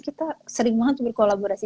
kita sering banget berkolaborasi